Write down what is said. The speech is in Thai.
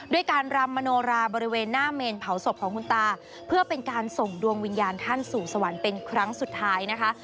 ด้วยการรำมโนราบริเวณหน้าเมนเผาศพของคุณตาเพื่อเป็นการส่งดวงวิญญาณท่านสู่สวรรค์เป็นครั้งสุดท้ายนะคะ